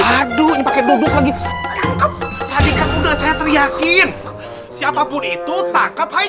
aduh ini pakai duduk lagi tangkap tadi kan udah saya teriakin siapapun itu tangkap hai